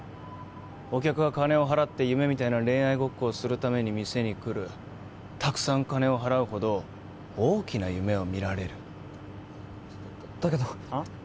お客は金を払って夢みたいな恋愛ごっこをするために店に来るたくさん金を払うほど大きな夢を見られるだけどあっ？